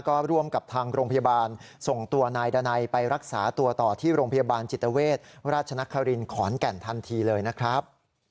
ก็ร่วมกับทางโรงพยาบาลส่งตัวนายดานัยไปรักษาตัวต่อที่โรงพยาบาลจิตเวชราชนครินขอนแก่นทันทีเลยนะครับ